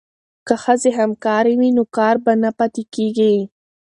که ښځې همکارې وي نو کار به نه پاتې کیږي.